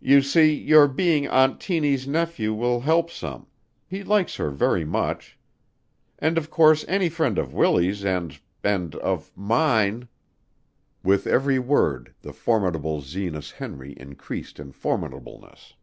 "You see, your being Aunt Tiny's nephew will help some; he likes her very much. And of course any friend of Willie's and and of mine " With every word the formidable Zenas Henry increased in formidableness.